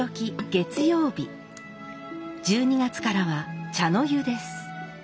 月曜日１２月からは茶の湯です。